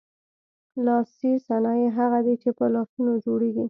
لاسي صنایع هغه دي چې په لاسونو جوړیږي.